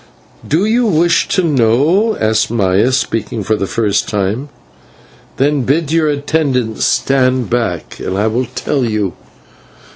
"Do you wish to know?" asked Maya, speaking for the first time. "Then bid your attendant stand back, and I will tell you.